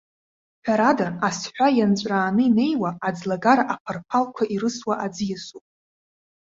Ҳәарада, асҳәа ианҵәрааны инеиуа, аӡлагара аԥарԥалқәа ирысуа аӡиасоуп.